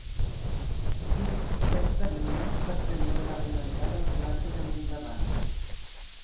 Dic que és benigna perquè no va més enllà del plat que tenim davant.